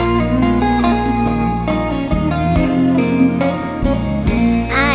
ขอบคุณครับ